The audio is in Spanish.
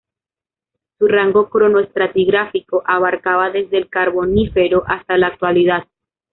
Su rango cronoestratigráfico abarcaba desde el Carbonífero hasta la Actualidad.